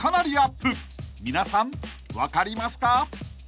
［皆さん分かりますか？］